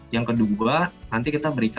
yang kedua nanti kita berikan